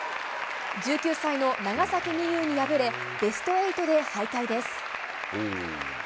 １９歳の長崎美柚に敗れベスト８で敗退です。